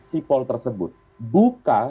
sipol tersebut buka